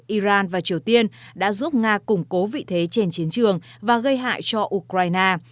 iran và triều tiên đã giúp nga củng cố vị thế trên chiến trường và gây hại cho ukraine